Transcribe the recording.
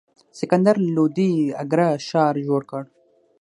سکندر لودي اګره ښار جوړ کړ.